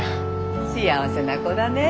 幸せな子だねえ！